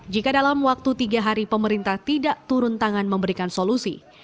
jika dalam waktu tiga hari pemerintah tidak turun tangan memberikan solusi